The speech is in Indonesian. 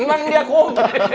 senang ya kum